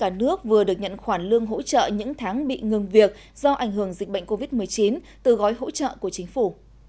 cả nước vừa được nhận khoản lương hỗ trợ những tháng bị ngừng việc do ảnh hưởng dịch bệnh covid một mươi chín từ gói hỗ trợ của chính phủ